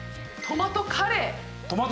トマトカレー。